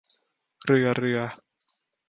เรือ เรือ